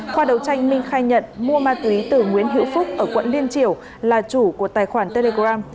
qua đầu tranh minh khai nhận mua ma túy từ nguyễn hữu phúc ở quận liên triều là chủ của tài khoản telegram